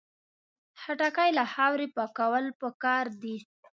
خټکی له خاورې پاکول پکار دي.